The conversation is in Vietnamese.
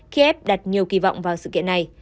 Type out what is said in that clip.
khi ép đặt nhiều kỳ vọng vào sự kiện này